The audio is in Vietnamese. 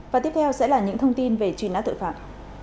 và tiếp theo sẽ là những thông tin về truy nã tội phạm